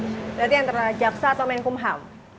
berarti antara jaksa atau menteri hukum